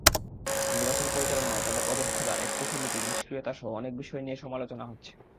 নির্বাচন পরিচালনায় তাদের অদক্ষতা, একপেশে নীতি, নিষ্ক্রিয়তাসহ অনেক বিষয় নিয়ে সমালোচনা হচ্ছে।